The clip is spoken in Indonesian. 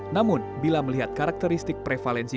namun bila melihat karakteristik prevalensi